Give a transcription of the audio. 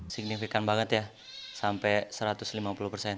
signifikan banget ya sampai satu ratus lima puluh persen